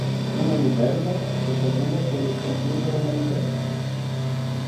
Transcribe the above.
Una novel·la que fabula sobre el futur de la humanitat.